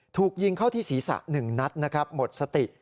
ถูกยิงเข้าที่ศีรษะ๑นัดนะครับหมดสติ